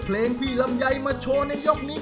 ฝันที่ยุคไหลในใจมี